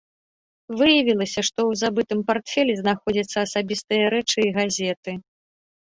Выявілася, што ў забытым партфелі знаходзяцца асабістыя рэчы і газеты.